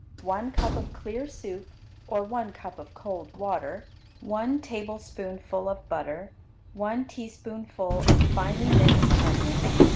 1 cup of clear soup, or one cup of cold water. 1 tablespoonful of butter. 1 teaspoonful of finely minced onion.